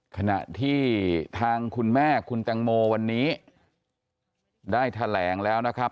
ขณะที่ทางคุณแม่คุณแตงโมวันนี้ได้แถลงแล้วนะครับ